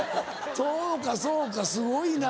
そうかそうかすごいな。